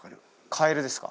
カエルですか？